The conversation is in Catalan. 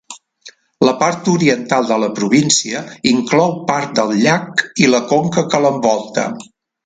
La part oriental de la província inclou part del llac i la conca que l'envolta.